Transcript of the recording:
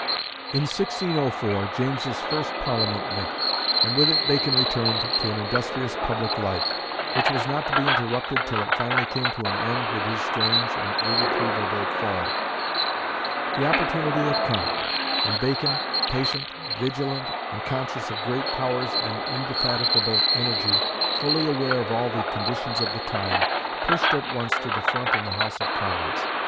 In 1604 James's first Parliament met, and with it Bacon returned to an industrious public life, which was not to be interrupted till it finally came to an end with his strange and irretrievable fall. The opportunity had come; and Bacon, patient, vigilant, and conscious of great powers and indefatigable energy, fully aware of all the conditions of the time, pushed at once to the front in the House of Commons.